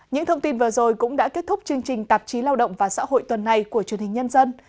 những thông tin vừa rồi cũng đã kết thúc chương trình tạp chí lao động và xã hội tuần này của truyền hình nhân dân